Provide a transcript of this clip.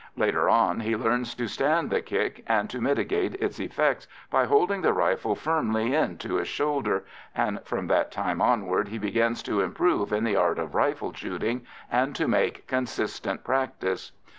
Later on he learns to stand the kick, and to mitigate its effects by holding the rifle firmly in to his shoulder, and from that time onward he begins to improve in the art of rifle shooting and to make consistent practice.